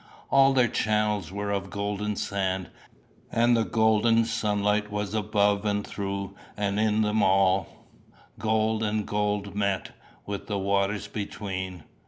All their channels were of golden sand, and the golden sunlight was above and through and in them all: gold and gold met, with the waters between.